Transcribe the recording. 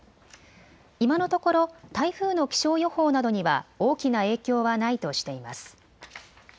今のところ台風の気象予報などには大きな影響はないとしています。